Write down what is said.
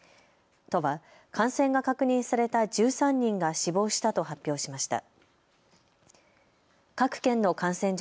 都は感染が確認された１３人が死亡したと発表しました。